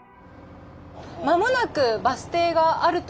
間もなくバス停があると思います。